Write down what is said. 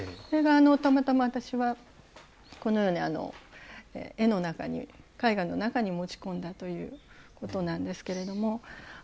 それがたまたま私はこのように絵の中に絵画の中に持ち込んだということなんですけれども。